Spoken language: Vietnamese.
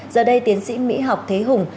giờ đây tiến sĩ mỹ học thế hùng